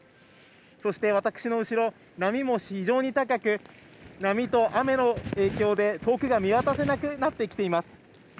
そして私の後ろ、波も非常に高く、波と雨の影響で奥が見渡せなくなってきています。